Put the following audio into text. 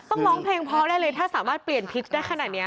ต้องร้องเพลงพอได้เลยถ้าจะสามารถเปลี่ยนพิกได้ขนาดนี้